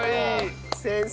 先生。